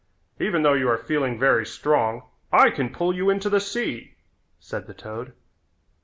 "Even though you are feeling very strong I can pull you into the sea," said the toad.